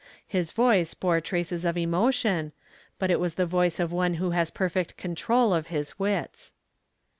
His voice bore traces of emotion, but it was the voice of one who has perfect control of his wits.